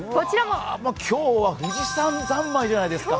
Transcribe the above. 今日は富士山三昧じゃないですか。